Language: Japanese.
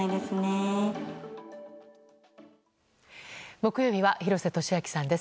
木曜日は廣瀬俊朗さんです。